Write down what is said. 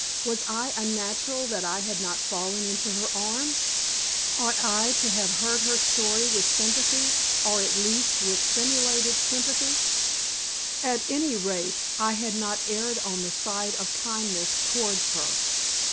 Was I unnatural that I had not fallen into her arms? Ought I to have heard her story with sympathy, or at least, with simulated sympathy? At any rate I had not erred on the side of kindness towards her!